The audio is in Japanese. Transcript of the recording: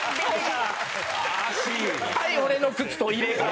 はい俺の靴と入れ替え！